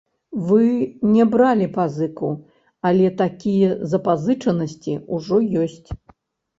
Вы не бралі пазыку, але такія запазычанасці ўжо ёсць.